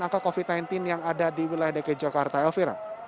angka covid sembilan belas yang ada di wilayah dki jakarta elvira